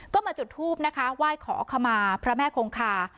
ก็มาจุดทูบนะคะไหว้ขอขมาพระแม่คงคา